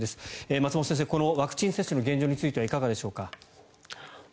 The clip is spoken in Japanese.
松本先生、このワクチン接種の現状についてはいかがでしょうか。